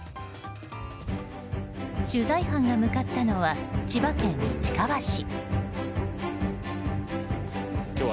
取材班が向かったのは千葉県市川市。